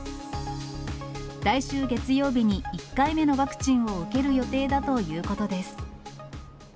来週月曜日に１回目のワクチンを受ける予定だということです。